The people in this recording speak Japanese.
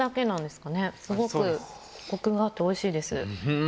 すごくコクがあっておいしいです。